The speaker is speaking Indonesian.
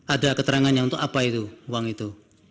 ada keterangannya untuk apa itu uang itu